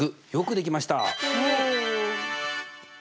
よくできました！